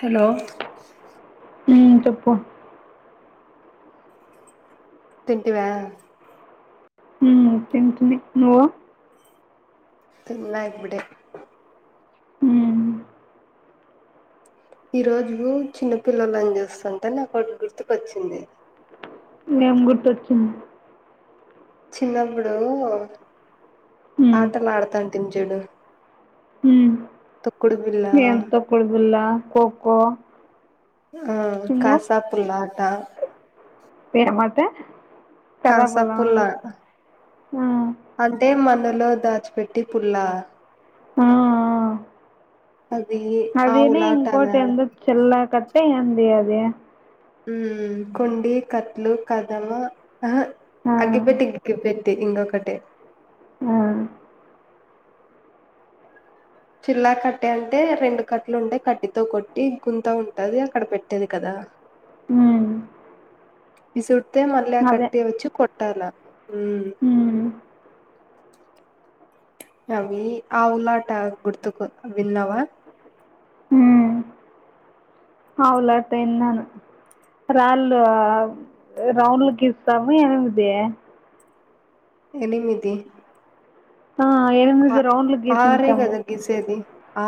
Hello మ్ చెప్పు తింటివా మ్ తింటుంది నువ్ తిన్న ఇప్పుడే ఉమ్ ఈ రోజు చిన్న పిల్లలని చేస్తుంటే నాకు ఒకటి గుర్తుకొచ్చింది ఏం గుర్తుకువచ్చింది చిన్నప్పుడు ఉమ్ ఆటలు ఆడుతాంటిమి చూడు మ్ తొక్కుడు బిళ్ళ ఏం తొక్కుడుబిల్లా ఖోఖో ఆ కాసాపుల్లా ఆటా పోయినవా అటే కాసాపుల్లా ఆ అంటే మన లో దచిపెట్టి పుల్లా ఆ ఆ అది అదిని ఆవులాట అని ఇంకోటి ఆడ ఎందో చెల్ల కట్ట ఎంది అది మ్ కుండి కట్లు కదమ అహ ఆ అగ్గిపెట్టికి గుగ్గిపెట్ ట్టి ఇంకోకటి ఆ చిల్లా కట్టె అంటే రెండు కట్లు ఉండాయి కట్టితో కొట్టి గుంత ఉంటది అక్కడ పెట్టేది కదా మ్ ఇసుర్డ్తే మళ్ళీ ఆ కట్టే వచ్చి కొట్టాల ఉమ్ మ్ అవి అవునట గుర్తుకు విన్నావా మ్ ఆవులాట విన్నను రాళ్ళు రౌండ్లకిస్తాము ఎనిమిది ఎనిమిది ఆ ఆ ఎనిమిది రౌండ్లు గీసింటాము ఆరేగద గిసేది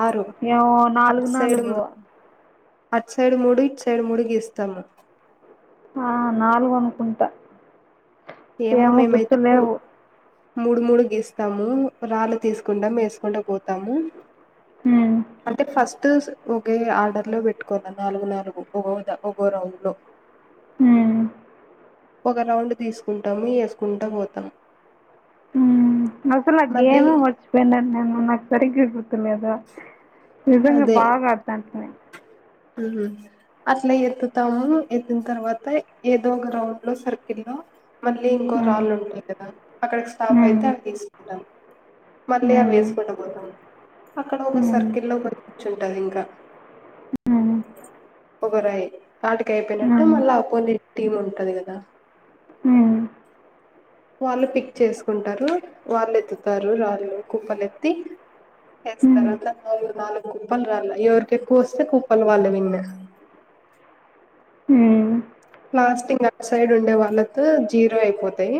ఆరు ఏమో నాలుగు అట్ సైడ్ నాలుగు ము అట్ సైడు మూడు ఇట్ సైడు మూడు గీస్తాము ఆ నాలుగనుకుంటా ఏమో మేమైతే గుర్తు మూ- లేవు మూడు మూడు గీస్తాము రాళ్ళు తీసుకుంటా వేసుకుంట పోతాము ఉమ్ అంటే ఫస్ సస్ట్ ఒకే ఆర్డర్ లో పెట్టుకోాల నాలుగు నాలుగు ఒకోక రౌండ్ లో మ్ ఒక రౌండ్ తీసుకుంటాము వేసుకుంటా పోతాం మ్ అసలు ఆ మళ్ళీ గేమే మర్చిపోయా నిను నాకు సరిగ్గ లేద నిజంగా బాగా అడుతాంటిమి మ్ హు అట్లా ఎత్తుతాము ఎత్తిన తర్వాత ఏదో ఒక రౌండ్ లో సర్కిల్ లో మళ్ళీ ఇంకో ఉమ్ రాళ్ళు ఉంటాయి కదా అక్కడికి స్టాఫ్ ఉమ్ అయితే అవి తీసుకుంటాం మళ్ళీ అవి ఉమ్ వేసుకుంట పోతాం అక్కడ ఒక సర్కిల్ లో ఉమ్ కూర్చుంటది ఇంకా మ్ ఒకరుై ఆటకైపోయినట్టు మళ్ళా అపోజిట్ టీమ్ ఉంటది కదా మ్ వాళ్ళు పిక్ చేసుకుంటారు వాళ్ళు ఎత్తుతారు రాళ్ళు కుప్పలు ఎత్తి ఎస్త ఉమ్ తరువాత నాలుగు కుప్పలు రాల ఎవరికీ ఎక్కువ వస్తే కుప్పలు వాళ్లే విన్ లాస్ట్ ఇంక అటుసైడ్ ఉండే వాళ్ళతో జీరో అయిపోతాయి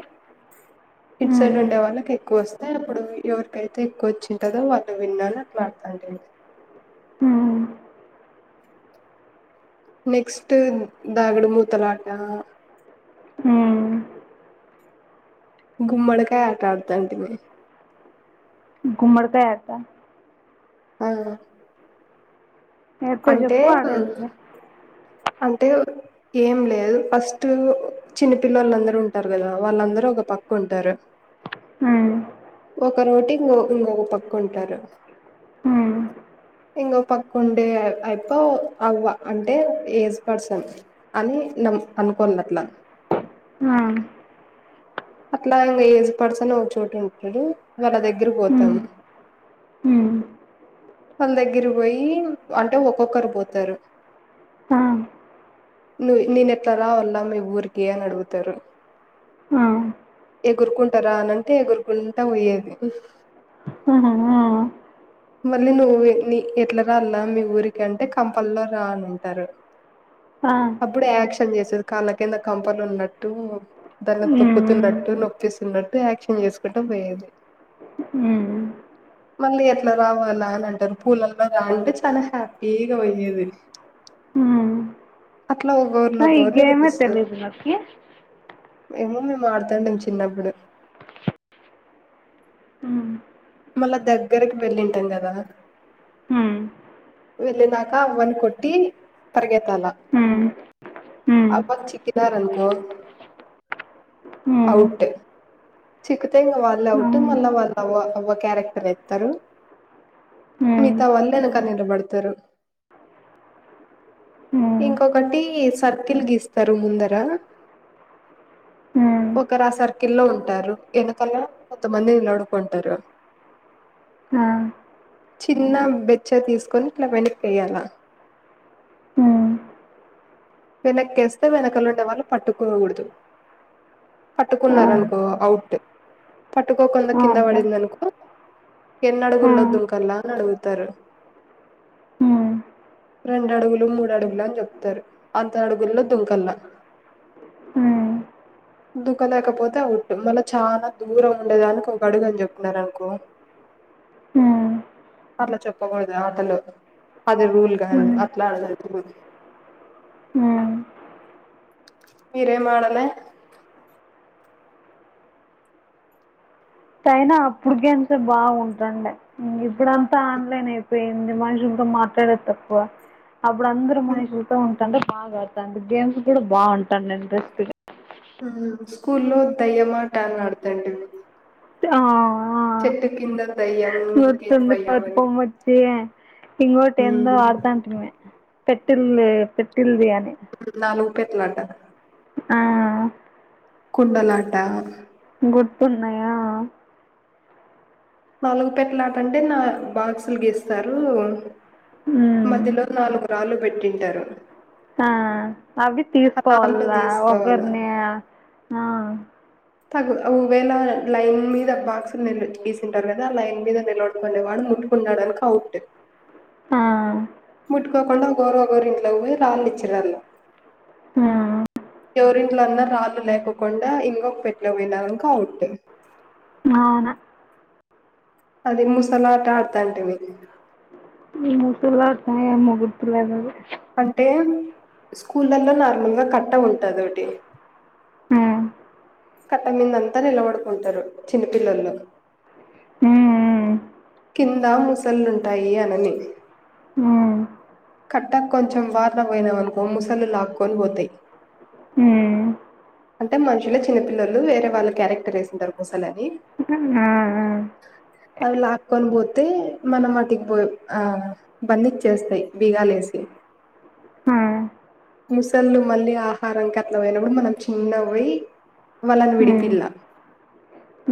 ఉమ్ ఇటు ఉమ్ సైడ్ ఉండే వాళ్ళకి ఎక్కువ వస్తాయి అప్పుడు ఎవరికైతే ఎక్కువ వచ్చింటదో వాళ్ళు విన్ అని అట్లా ఆడుతాంటిమి ఉమ్ నెక్స్ట్ దాగుడుమూతల ఆట ఉమ్ గుమ్మడికాయ ఆట ఆడుతాంటమీ గుమ్మడికాయ ఆట ఆ ఎట్టా అంటే చెప్పు ఆడేది అంటే ఏం లేదు ఫస్ట్ చిన్న పిల్లోళ్ళందరు ఉంటారు కదా వాళ్ళందరూ ఒక పక్క ఉంటారు పకుంటారు హ ఒక రోటికి ఇంకొ ఇంకొక పక్క ఉంటారు ఈ ఇంకో పక్క ఉండే ఆయప్ప అవ్వ అంటే ఏజ్ పర్సన్ అని నమ్ అనుకోండట్లా అట్లా ఇంకా ఏజ్ పర్సన్ ఒక చోట ఉంటడు వాళ్ళ దగ్గర పోతాము హ వాళ్ళ దగ్గర పోయి అంటే ఒక్కొక్కరు పోతారు ను నేనెట్ల రావాల మీ ఊరికి అని అడుగుతారు ఎగురుకుంటరా అనంటే ఎగురుకుంటా పోయేది మళ్ళీ నువ్వు నీ ఎట్లా రావాలా మీ ఊరికి అంటే కంపల్లో రా అనంటారు అప్పుడు యాక్షన్ చేసేది కాళ్ళ కింద కంపలు ఉన్నట్టు దాన్ని తొక్కుతూ నొప్పేస్తున్నట్టు యాక్షన్ చేసుకుంటా పోయేది మళ్ళీ ఎట్లా రావాలా అని అంటారు పూలల్లో రాా అంటే చాలా హ్యాపీగా పోయేది అట్లా ఒకోరిని ఒకోరిని గేమే పిలుస్తరు తెలీదు నాకు. ఏమో మేం ఆడుతాండేం చిన్నప్పుడు మళ్ళా దగ్గరకి వెళ్ళింటాం కదా వెల్లినాక అవ్వను కొట్టి పరిగెత్తాల అవ్వకి చిక్కిన్నారనుకో ఔటే చిక్కుతే వాళ్ళు ఔట్ మళ్ళా వాళ్ళు అవ అవ్వ క్యారెక్టర్ ఎత్తుతారు మిగతా వాళ్లు ఎనక నిలబడతారు ఇంకొకటి సర్కిల్ గీస్తారు ముందర హ ఒకరు ఆ సర్కిల్ల్లో ఉంటారు వెనకల కొంతమంది నిలబడుకుంటారు చిన్న బెచ్చ తీసుకొని ఇలా వెనిక్కీఎయ్యాల వెనక్కేస్తే వెనకల ఉండే వాళ్ళు పట్టుకోకూడదు పట్టుకున్నారు అనుకో ఔట్ పట్టుకోకుండా కింద పడింది అనుకో ఎన్ని అడుగుల్లో దుంకల్లా అని అడుగుతారు రెండు అడుగులు మూడు అడుగులు అని చెప్తారు అంత అడుగుల్లో దుంకల్ల దూక లేకపోతే ఔట్ మళ్ళ చాలా దూరం ఉండేదానికి ఒక అడుగు అని చెప్పినారు అనుకో అట్లా చెప్పకూడదు ఆటలో అది రూల్ కాదు అట్లా ఆడే రూల్ మీరేం ఆడలే. ఐనా అప్పుడు గేమ్స్ ఎ బాగుంటుండే ఇప్పుడంతా ఆన్లైన్ అయిపోయింది. మనిషి మాట్టాడేది తక్కువ. అప్పుడు అందరు మనిషులతో ఉంటండే బాగా ఆడత గేమ్స్ కూడా బాగుంటాండే ఇంట్రెస్ట్ గా స్కూల్లో దయ్యమాట అన్ ఆడుతండి. ఆ చెట్టు కింద దయ్యం నీకేం నోతుంది భయం పట్టుకో అని మచ్చే ఇంగోటి ఎందో ఆడుతాంటిమీ పెట్టల్ పెట్టల్ది. పెట్లాట. ఆ కుండలాట. గుర్తున్నాయా. నాలుగుపేట్టల ఆటంటే నాలుగు బాక్సులు గీస్తారు. మ్మ్. మధ్యలో నాలుగు రాళ్ళు పెట్టింటారు. ఆ అవి ఆ రాళ్ళు తీసుకోవాలా తీసుకోవాల ఒకరిని. ఆ తగు ఒకవేలా లైన్ మీద బాక్స్ ను వీళ్ళు తీసి ఉంటారు కదా ఆ లైన్ మీద నిలవడబండేవాడు ముట్టుకున్నాడనుకో ఔట్. ఆ ముట్టుకోకుండా ఒకోరు ఒకోరు ఇంట్లో పోయి రాళ్ళు ఇచ్చిరాలా. ఆ. ఎవరింట్లో అన్న రాళ్ళు లేకపో కుండా ఇంకొక పెట్లోకి పోయిననుకో అవుట్ అవునా అది ముసలాట ఆడతాంటీమీ. [unintelligible] ఏమో గుర్తులేదు. అది అంటే స్కూలలో నార్మల్ గా కట్ట ఉంటది ఒకటి హ్మ్ కట్ట మీంద అంతా నిలబడుకుంటారు చిన్న పిల్లలు హ్మ్ మ్మ్ కింద ముసళ్లుంటాయి అనని. ఉమ్, కట్టకి కొంచెం వారన పోయినా అనుకో ముసళ్ళ లాక్కొని పోతాయి. ఉమ్, అంటే మనుషులే చిన్న పిల్లలు వేరే వాళ్ళ క్యారెక్టర్ వేసింటారు ముసలని. హ అవి లాక్కొని పోతే మనం అటికిపోయి ఆ బందిచ్చేస్తాయి బిగాలేసి. ఉమ్, ముసళ్ళు మళ్ళీ ఆహారం కట్ల పోయినప్పుడు మనం చిన్న పోయి వాళ్ళన్ ఉమ్, విడిపిల్ల.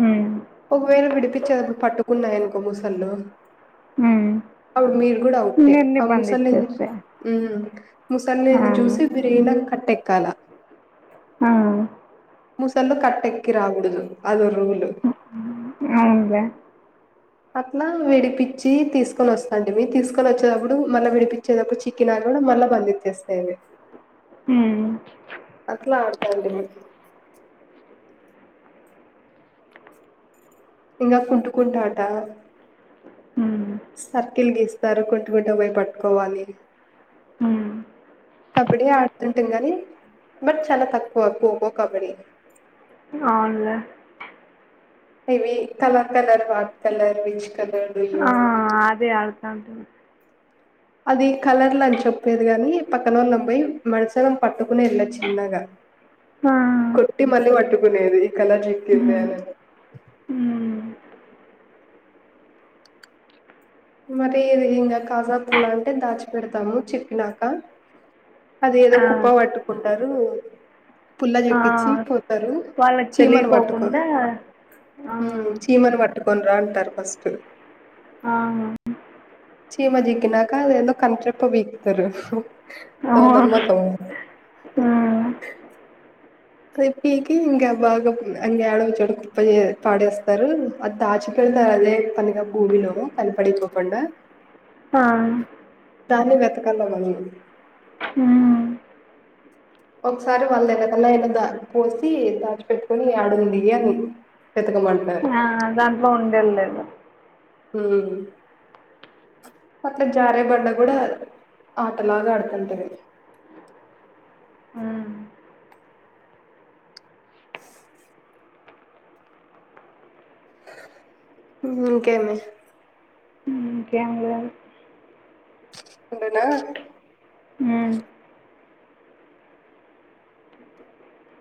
ఉమ్, ఒకవేళ విడిపించేటపుడు పట్టుకున్నాయనుకో ముసల్లు. ఉమ్. అపుడు మీరు ఒకటే నిన్ను ఆ ముస బంధించేస్తే ఆ, ముసలిని చూసి విరిగిన కట్ట కల హ్మ్ ముసల్లు కట్టెక్కి రాగూడదు అదో రూల్ అవున్లే [inaudible] అట్లా విడిపిచ్చి తీసుకొని వస్తాంటిమీ తీసుకొని వచ్చేటప్పుడు మళ్ళీ విడిపించేటప్పుడు చిక్కినారు కూడా మళ్ళా బంధిచ్చేస్తాయి అవి ఉ అట్లా ఆడతంటిమీ ఇంకా కుంటుకుంటు ఆట ఉమ్, సర్కిల్ గీస్తారు కుంటికుంట పోయి పట్టుకోవాలి ఉమ్, కబడ్డీ ఆడుతుంటాం గాని బట్ చాలా తక్కువ ఖోఖో, కబడ్డీ. అవునులే ఏ ఏ colour colour what colour which colour do you ఆ వాంట్ అది అడతంటిమీ అది కలర్ అని చెప్పేది కగాని పక్కనోళ్ళని పోయి మెనసనంగా పట్టుకునేది చిన్నగా ఆ, కొట్టి మళ్ళీ పట్టుకునేది ఈ కలర్ చిక్కింది ఉమ్, అని ఉమ్, మరి ఇంకా కాజాపుల్లా అంటే దాచిపేడతాము చిక్కినాక అది ఏదో ఆ, కుప్ప పట్టుకుంటారు పుల్ల ఆ, చెక్కించి పో టారు వాళ్ళకి చీమను పట్టుకో తెలియకోకుండా ఆ, ఊ చీమను పట్టుకొని రా అంటారు ఫస్ట్ ఆ. చీమ చిక్కినాక అది ఏందో కంటి రెప్ప పికుతారు హ్మ్. ఏమన్నా కా పీకి ఇంకా బాగా కాజపుల్ల ఇంకా ఏడన్న చెడు కుప్ప పాడేస్తారు అది దాచి పే [unintelligible] భూమిలో కనపడిపోకండా ఆ దాన్ని వెతకల్ల మనము హ్మ్. ఒకసారి వాళ్ళు ఎనకాల పోసి దాచిపెట్టుకని ఆడుంది అని వెతకమంటారు ఆ దాంట్లో ఉండేళ్లేదు ఊ అట్లా జారే బండ కూడా ఆటలాగా ఆడుతుంటారు హ్మ్. ఇంకేమీ ఇంకేమీ లేదు ఉండునా హ్మ్.